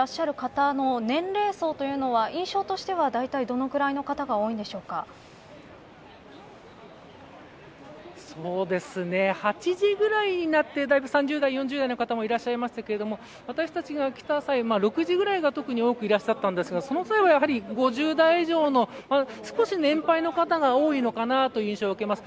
献花に訪れていらっしゃる方の年齢層というのは印象としては大体どのぐらいの方が８時ぐらいになって、だいぶ３０代、４０代の方もいらっしゃいましたけれども私たちが来た際、６時ぐらいが特に多くいらっしゃったんですがその際は、５０代以上の少し年配の方が多いのかなという印象を受けます。